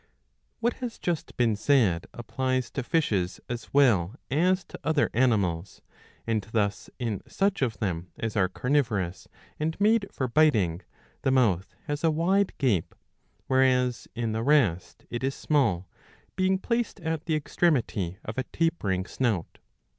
What has just been said applies to fishes as well as to other animals ; and thus in such of them as are carnivorous, and made for biting, the mouth has a wide gape ; whereas in the rest it is small, being placed at the extremity of a tapering snout.